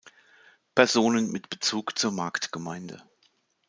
Personen mit Bezug zur Marktgemeinde